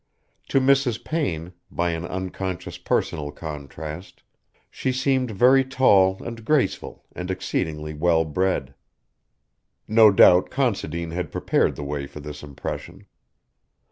To Mrs. Payne, by an unconscious personal contrast, she seemed very tall and graceful and exceedingly well bred. No doubt Considine had prepared the way for this impression.